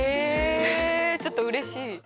へちょっとうれしい。